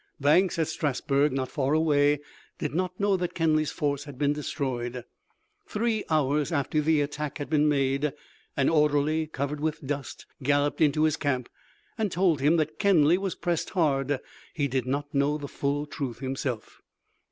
Banks, at Strasburg, not far away, did not know that Kenly's force had been destroyed. Three hours after the attack had been made, an orderly covered with dust galloped into his camp and told him that Kenly was pressed hard he did not know the full truth himself.